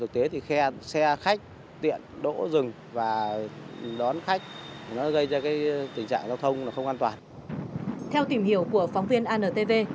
theo tìm hiểu của phóng viên antv